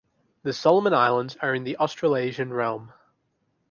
The Solomon Islands are in the Australasian realm.